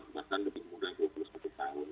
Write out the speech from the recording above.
bahkan lebih muda dua puluh satu tahun